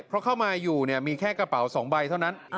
เพราะเข้ามาอยู่มีแค่กระเป๋า๒ใบเท่านั้น